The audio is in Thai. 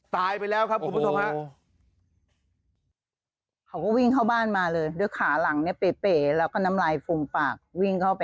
ตายไปแล้วครับครับอุพสมรา